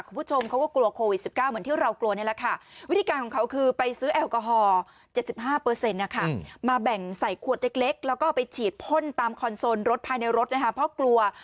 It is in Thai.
ดูก็เกลียบเขามีตลอดค่ะ